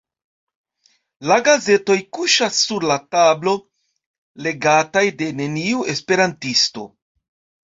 La gazetoj kuŝas sur la tablo, legataj de neniu esperantisto.